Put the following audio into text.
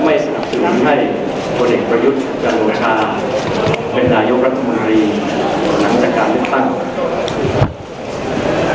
ไม่สนับสนุนให้ผู้เด็กประยุทธ์การรวชาเป็นนาอยุครัฐบบริการลึกตั้ง